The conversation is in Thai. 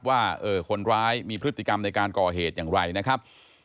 ว่าคนร้ายมีพฤติกรรมในการก่อเหตุอย่างไรนะครับ